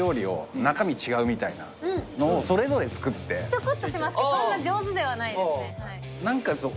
ちょこっとしますけどそんな上手ではないですね。